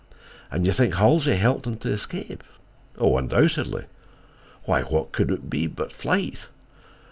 "And you think Halsey helped him to escape?" "Undoubtedly. Why, what could it be but flight?